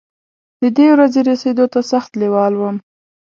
ددې ورځې رسېدو ته سخت لېوال وم.